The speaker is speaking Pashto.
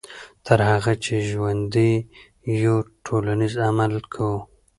تر هغه چې ژوندي یو ټولنیز عمل کوو.